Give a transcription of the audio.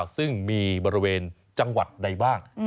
ซึ่งมีบริเวณจังหวัดใดบ้าง